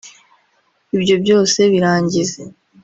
ibyo byose birangize”